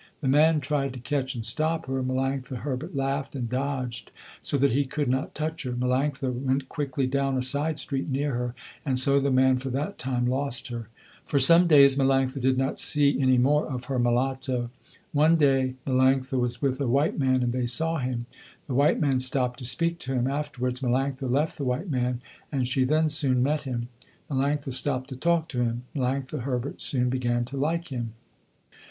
The man tried to catch and stop her, Melanctha Herbert laughed and dodged so that he could not touch her. Melanctha went quickly down a side street near her and so the man for that time lost her. For some days Melanctha did not see any more of her mulatto. One day Melanctha was with a white man and they saw him. The white man stopped to speak to him. Afterwards Melanctha left the white man and she then soon met him. Melanctha stopped to talk to him. Melanctha Herbert soon began to like him.